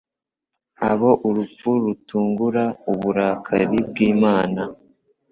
abo urupfu rutungura uburakari bw'Imana